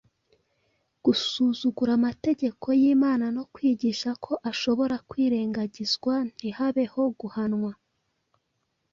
gusuzugura amategeko y’Imana no kwigisha ko ashobora kwirengagizwa ntihabeho guhanwa.